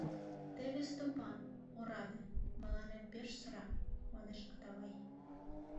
Теве Стопан, ораде, мыланем пеш сыра, — манеш Атавай.